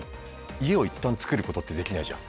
家を一旦つくることってできないじゃん。